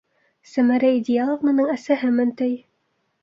Сәмәрә Идеаловнаның әсәһемен ти.